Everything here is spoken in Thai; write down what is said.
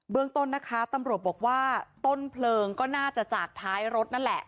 ต้นนะคะตำรวจบอกว่าต้นเพลิงก็น่าจะจากท้ายรถนั่นแหละ